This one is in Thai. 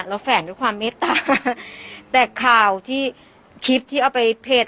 แฝงด้วยความเมตตาแต่ข่าวที่คลิปที่เอาไปเพจ